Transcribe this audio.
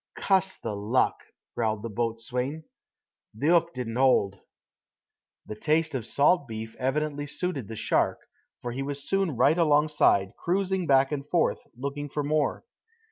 "Cuss the luck," growled the boatswain. "The 'ook didn't 'old." The taste of salt beef evidently suited the shark, for he was soon right alongside, cruising back and forth, looking for more.